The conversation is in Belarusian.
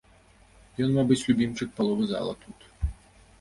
Ён, мабыць, любімчык паловы зала тут!